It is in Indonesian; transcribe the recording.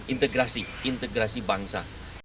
integrasi integrasi bangsa